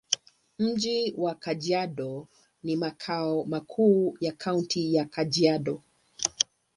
Mji wa Kajiado ni makao makuu ya Kaunti ya Kajiado.